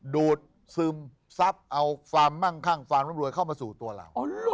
ดูดซึมซับเอาความมั่งคั่งความร่ำรวยเข้ามาสู่ตัวเรา